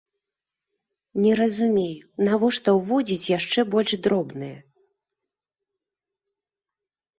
Не разумею, навошта ўводзіць яшчэ больш дробныя?